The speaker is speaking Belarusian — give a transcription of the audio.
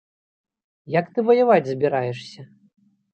Як ты ваяваць збіраешся?!